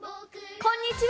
こんにちは！